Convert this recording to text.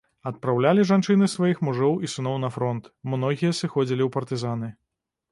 Адпраўлялі жанчыны сваіх мужоў і сыноў на фронт, многія сыходзілі ў партызаны.